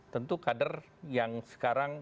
tentu kader yang sekarang